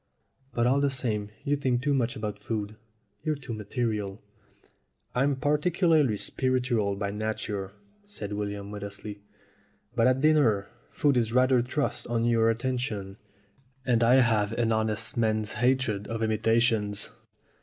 But all the same you think too much about food. You're too material." "I'm particularly spiritual by nature," said William modestly. "But at dinner food is rather thrust on your attention, and I have an honest man's hatred of imitations.